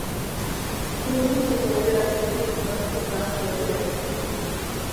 Urruntzeko hobeak dituk bazter-nahasle horiek!